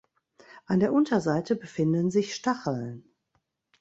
An der Unterseite befinden sich Stacheln.